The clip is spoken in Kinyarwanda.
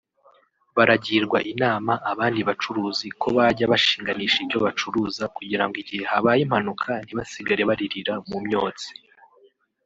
baragirwa inama abandi bacuruzi ko bajya bashinganisha ibyo bacuruza kugira ngo igihe habaye impanuka ntibasigare baririra mu myotsi